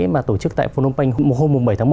mà tổ chức tại phnom penh hôm bảy tháng một